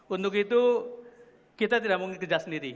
untuk itu kita tidak mungkin kerja sendiri